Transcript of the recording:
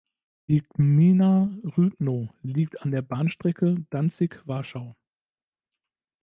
Die Gmina Rybno liegt an der Bahnstrecke Danzig–Warschau.